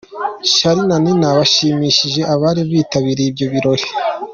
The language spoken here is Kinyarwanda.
Charly na Nina bashimishije abari bitabiriye ibyo birori.